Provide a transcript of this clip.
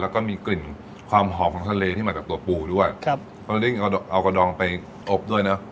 แล้วก็มีกลิ่นความหอมของทะเลที่มากับตัวปูด้วยครับเราได้เอากระดองไปอบด้วยเนอะ